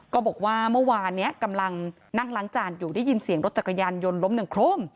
ก็บอกว่าเมื่อวานนี้กำลังนั่งล้างจานอยู่ได้ยินเสียงรถจักรยานยนต์ล้มอย่างโคร่ม